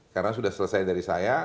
karena sudah selesai dari saya